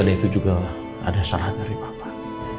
dan itu juga ada saran dari bapak